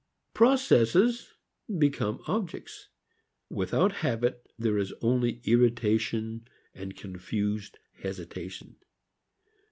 Processes become objects. Without habit there is only irritation and confused hesitation.